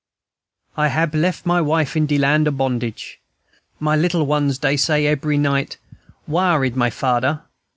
"I hab lef my wife in de land o' bondage; my little ones dey say eb'ry night, Whar is my fader?